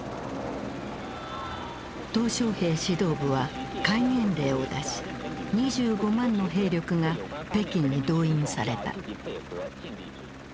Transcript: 小平指導部は戒厳令を出し２５万の兵力が北京に動員された。